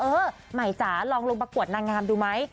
เออใหม่จ๋าลองลงประกวดนางงามดูไหม